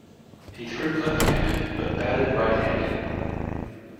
He threw left-handed, but batted right-handed.